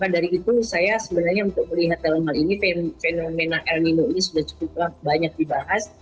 karena dari itu saya sebenarnya untuk melihat dalam hal ini fenomena el nino ini sudah cukup banyak dibahas